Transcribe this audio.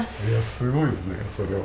すごいですね、それは。